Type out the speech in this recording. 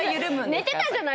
寝てたじゃないですか。